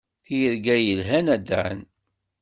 Tirga yelhan a Dan.